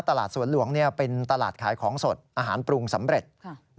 ตลาดสวนหลวงเป็นตลาดขายของสดอาหารปรุงสำเร็จ